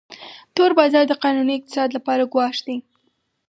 تور بازار د قانوني اقتصاد لپاره ګواښ دی